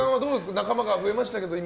仲間が増えましたけど。